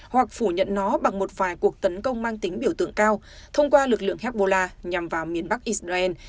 hoặc phủ nhận nó bằng một vài cuộc tấn công mang tính biểu tượng cao thông qua lực lượng hezbollah nhằm vào miền bắc israel